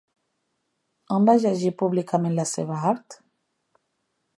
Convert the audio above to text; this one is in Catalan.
On va llegir públicament la seva Art?